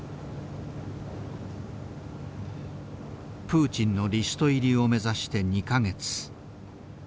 プーチンのリスト入りを目指して２か月。